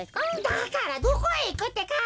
だからどこへいくってか。